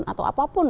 nggak ada hak milik